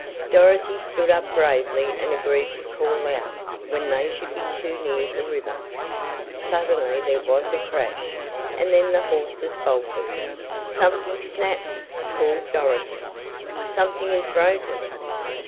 Dorothy stood up bravely and agreed to call out, when they should be too near the river. Suddenly there was a crash, and then the horses bolted! "Something snapped!" called Dorothy. "Something is broken!"